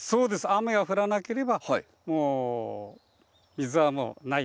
雨が降らなければ水はもうないです。